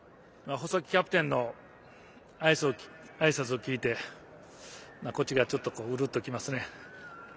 細木キャプテンのあいさつを聞いてこっちが、ちょっとうるっときましたね。